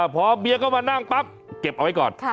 พอเมียเข้ามานั่งปั๊บเก็บเอาไว้ก่อน